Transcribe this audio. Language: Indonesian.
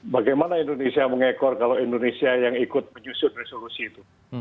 bagaimana indonesia mengekor kalau indonesia yang ikut menyusun resolusi itu